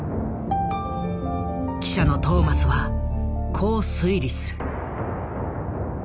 記者のトーマスはこう推理する。